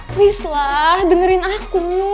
please lah dengerin aku